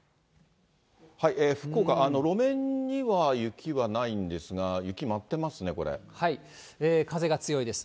福岡、路面には雪はないんですが、風が強いです。